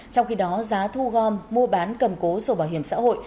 trong khi đó giá thu gom mua bán cầm cố sổ bảo hiểm xã hội